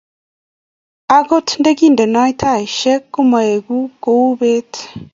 agot ndagindenoi taishek komaegu ku beet